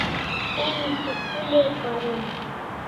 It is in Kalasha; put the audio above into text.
Emi school ai paron